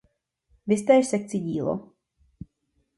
Viz též sekci Dílo.